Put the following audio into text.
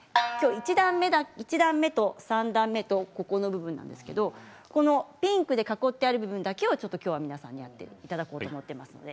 １段目と３段目とありますけれどピンクで囲ってある部分だけをきょうは皆さんにやっていただこうと思います。